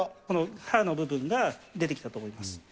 この刃の部分が出てきてると思います。